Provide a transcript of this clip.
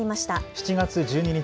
７月１２日